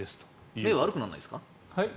目、悪くならないですか？